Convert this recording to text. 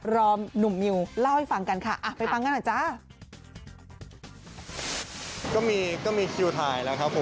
รอมหนุ่มมิวเล่าให้ฟังกันค่ะ